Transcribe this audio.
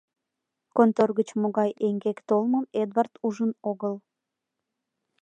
Контор гыч могай эҥгек толмым Эдвард ужын огыл.